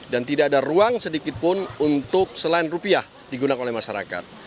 dan tidak ada ruang sedikitpun untuk selain rupiah digunakan oleh masyarakat